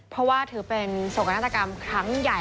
เพราะว่าถือเป็นโศกนาฏกรรมครั้งใหญ่